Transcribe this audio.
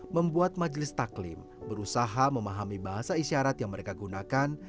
membuat majelis taklim berusaha memahami bahasa isyarat yang mereka gunakan